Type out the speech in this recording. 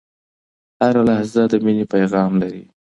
هره لحظه د میني پیغام لري